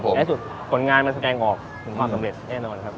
ในสุดผลงานมันสแกงออกคุณพ่อสำเร็จแน่นร้อนครับ